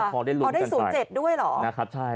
พอได้ลุ้มกันไปเอาได้๐๗ด้วยหรอ